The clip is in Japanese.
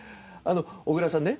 小倉さんね